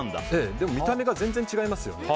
でも見た目が全然違いますよね。